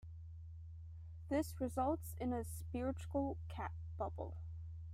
This results in a spherical cap bubble.